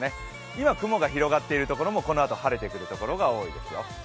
今、雲が広がっているところもこのあと晴れてくるところが多いですよ。